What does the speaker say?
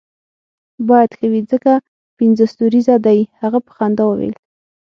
باید ښه وي ځکه پنځه ستوریزه دی، هغه په خندا وویل.